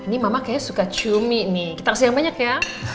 ini mama kayaknya suka cumi nih kita kasih yang banyak ya